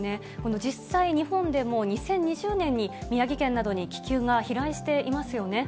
実際、日本でも２０２０年に、宮城県などに気球が飛来していますよね。